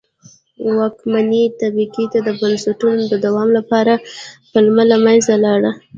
واکمنې طبقې ته د بنسټونو د دوام لپاره پلمه له منځه لاړه.